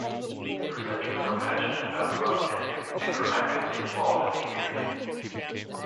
The presenters are passionate about broadcasting and are actively involved in the community.